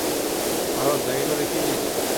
ভারত, ব্যাগে করে কী নিয়ে এসেছ?